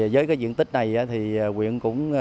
với cái diện tích này thì quyện cũng